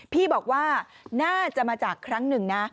พี่บอกว่าน่าจะมาจากครั้งหนึ่งนะ